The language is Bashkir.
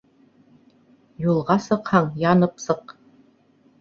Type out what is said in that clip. Юлға сыҡһаң, янып сыҡ